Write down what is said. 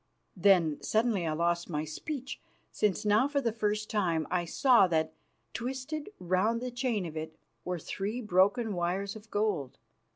Then suddenly I lost my speech, since now for the first time I saw that, twisted round the chain of it, were three broken wires of gold.